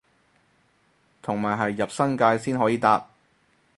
同埋係入新界先可以搭